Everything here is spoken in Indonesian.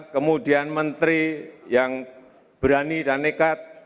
kemudian menteri yang berani dan nekat